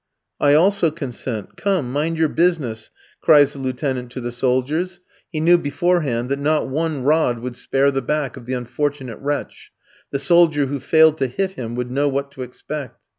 "I also consent. Come, mind your business," cries the lieutenant to the soldiers. He knew beforehand that not one rod would spare the back of the unfortunate wretch; the soldier who failed to hit him would know what to expect.